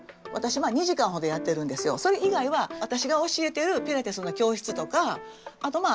それ以外は私が教えてるピラティスの教室とかあとまあ